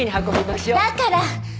だから！